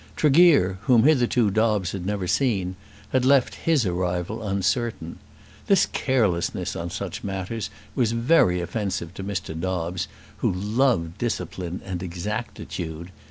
Tregear, whom hitherto Dobbes had never seen, had left his arrival uncertain. This carelessness on such matters was very offensive to Mr. Dobbes, who loved discipline and exactitude.